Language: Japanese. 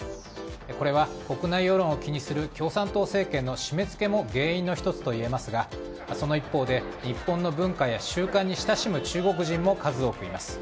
これは国内世論を気にする共産党政権の締め付けも原因の１つと言えますがその一方で、日本の文化や習慣に親しむ中国人も数多くいます。